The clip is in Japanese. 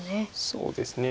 そうですね。